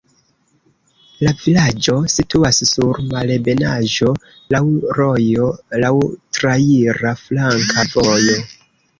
La vilaĝo situas sur malebenaĵo, laŭ rojo, laŭ traira flanka vojo.